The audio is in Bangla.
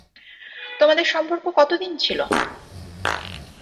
তোমাদের সম্পর্ক কতদিন ছিল?